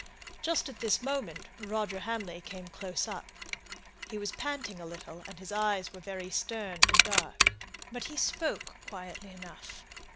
Just at this moment Roger Hamley came close up. He was panting a little, and his eyes were very stern and dark; but he spoke quietly enough.